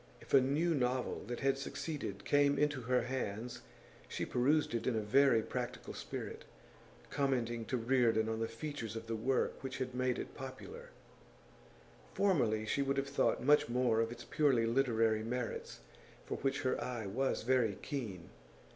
If a new novel that had succeeded came into her hands she perused it in a very practical spirit, commenting to Reardon on the features of the work which had made it popular; formerly, she would have thought much more of its purely literary merits, for which her eye was very keen.